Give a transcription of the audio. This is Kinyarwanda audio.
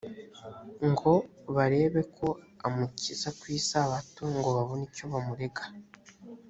ngo barebe ko amukiza ku isabato ngo babone icyo bamurega